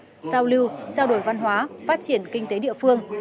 giao lưu trao đổi văn hóa phát triển kinh tế địa phương